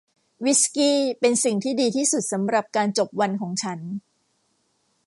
วิสกี้เป็นสิ่งที่ดีที่สุดสำหรับการจบวันของฉัน